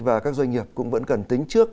và các doanh nghiệp cũng vẫn cần tính trước